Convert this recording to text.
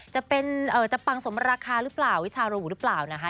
จะเป็นจะปังสมราคาหรือเปล่าวิชาโรหูหรือเปล่านะคะ